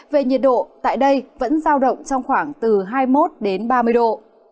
về nhiệt độ tại đây vẫn giao động trong khoảng từ hai mươi một đến ba mươi độ